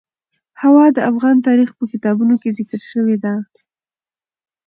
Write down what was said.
هوا د افغان تاریخ په کتابونو کې ذکر شوی دي.